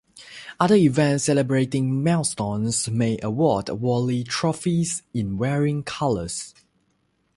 Other events celebrating milestones may award Wally trophies in varying colors.